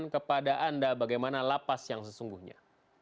kepada anda bagaimana lapas yang sesungguhnya